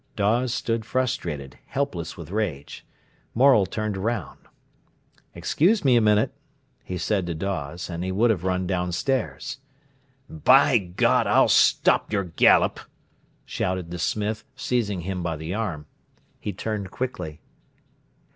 Dawes stood frustrated, helpless with rage. Morel turned round. "Excuse me a minute," he said to Dawes, and he would have run downstairs. "By God, I'll stop your gallop!" shouted the smith, seizing him by the arm. He turned quickly.